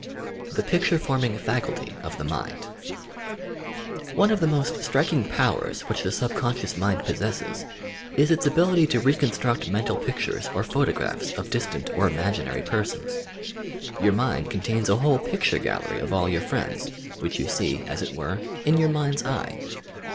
THE PICTUBE POKMING FACULTY OP THE MIND One of the most striking powers which the subconscious mind possesses is its ability to reconstruct mental pic tures or photographs of distant or imaginary persons. Your mind contains a whole picture gallery of all your friends, which you see, as it were, in your "mind's eye."